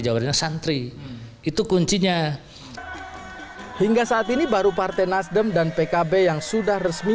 jawa dan santri itu kuncinya hingga saat ini baru partai nasdem dan pkb yang sudah resmi